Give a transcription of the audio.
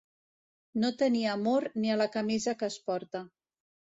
No tenir amor ni a la camisa que es porta.